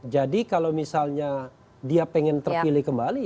jadi kalau misalnya dia pengen terpilih kembali ya